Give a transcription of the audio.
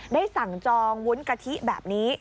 สั่งจองวุ้นกะทิแบบนี้